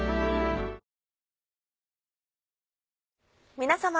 皆さま。